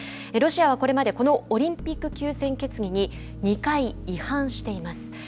ロシアはこれまでこのオリンピック休戦決議に２回違反しています。